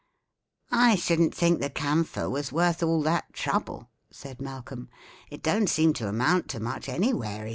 "I shouldn't think the camphor was worth all that trouble," said Malcolm; "it don't seem to amount to much, any wary."